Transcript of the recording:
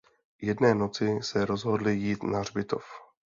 Jedné noci se rozhodli jít na hřbitov.